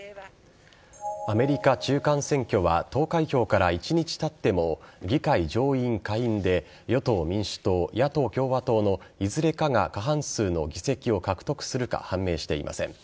アメリカ中間選挙は投開票から１日たっても議会上院・下院で与党・民主党、野党・共和党のいずれかが過半数の議席を獲得するか判明していません。